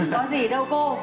có gì đâu cô